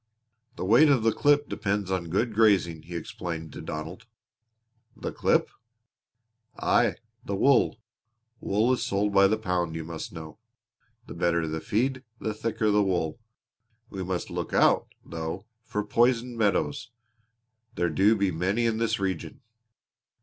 "The weight of the clip depends on good grazing," he explained to Donald. "The clip?" "Aye, the wool. Wool is sold by the pound, you must know. The better the feed, the thicker the wool. We must look out, though, for poisoned meadows. There do be many in this region."